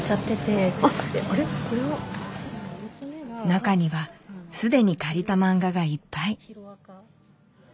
中には既に借りたマンガがいっぱい。